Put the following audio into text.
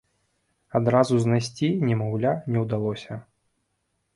Адразу знайсці немаўля не ўдалося.